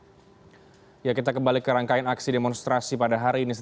setelah aksi demonstrasi kita akan kembali ke rangkaian aksi demonstrasi pada hari ini